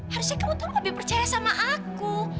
harusnya kamu tuh lebih percaya sama aku